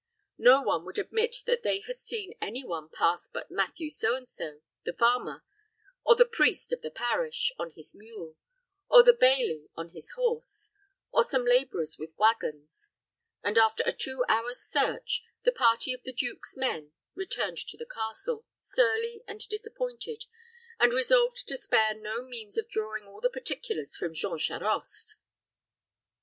No one would admit that they had seen any one pass but Matthew So and so, the farmer; or the priest of the parish, on his mule; or the baillie, on his horse; or some laborers with wagons; and, after a two hours' search, the party of the duke's men returned to the castle, surly and disappointed, and resolved to spare no means of drawing all the particulars from Jean Charost.